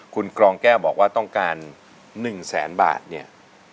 คุณกรองแก้วบอกว่าต้องการ๑แสนบาทเนี่ย